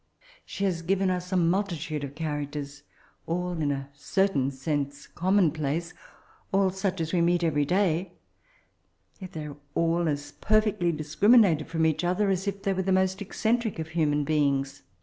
She has given us a multitude of characters, all, in a certain sense, commonplace — all such as we meet every day. Yet they are all as perfectly discriminated from each other as if they were the most eccentric of human beings.